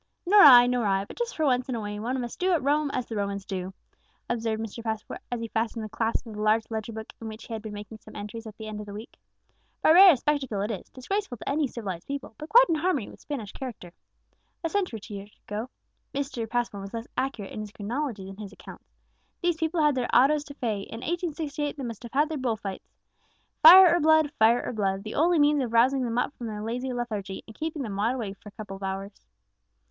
"Nor I, nor I; but just for once in a way, one must do at Rome as the Romans do," observed Mr. Passmore, as he fastened the clasp of the large ledger book in which he had been making some entries at the end of the week. "Barbarous spectacle it is, disgraceful to any civilized people, but quite in harmony with Spanish character. A century or two ago," (Mr. Passmore was less accurate in his chronology than in his accounts,) "these people had their autos da fé, in 1868 they must have their bull fights; fire or blood, fire or blood, the only means of rousing them up from their lazy lethargy, and keeping them wide awake for a couple of hours!"